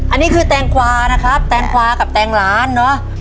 อันนี้คือแตงกวานะครับแตงกวากับแตงล้านเนอะ